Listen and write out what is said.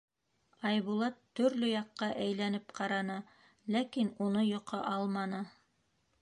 Айбулат төрлө яҡҡа әйләнеп ҡараны, ләкин уны йоҡо алманы.